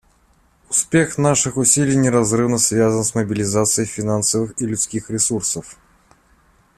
Успех наших усилий неразрывно связан с мобилизацией финансовых и людских ресурсов.